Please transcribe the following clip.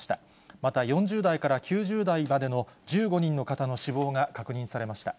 また４０代から９０代までの１５人の方の死亡が確認されました。